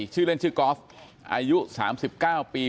ชื่อเล่นชื่อกอล์ฟอายุ๓๙ปี